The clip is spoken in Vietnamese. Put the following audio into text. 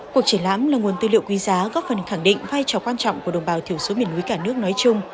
cuộc triển lãm là nguồn tư liệu quý giá góp phần khẳng định vai trò quan trọng của đồng bào thiểu số miền núi cả nước nói chung